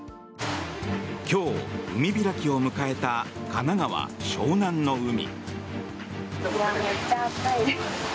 今日、海開きを迎えた神奈川・湘南の海。